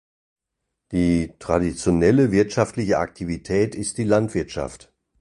Die traditionelle wirtschaftliche Aktivität ist die Landwirtschaft.